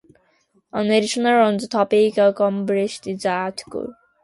An editorial on the topic accompanied the article.